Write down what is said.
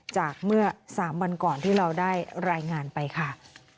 จากเมื่อ๓วันก่อนที่เราได้รายงานไปค่ะ